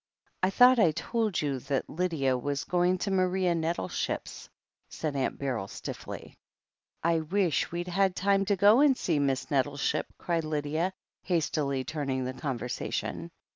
"I thought I told you that Lydia was going to Maria Nettleship's," saicTAunt Beryl stiffly. "I wish we'd had time to go and see Miss Nettle ship," cried Ly()b, hastily turning the conversation.